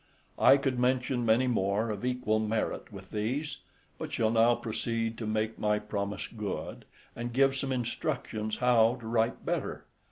I could mention many more of equal merit with these, but shall now proceed to make my promise good, and give some instructions how to write better.